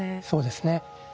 そうですね。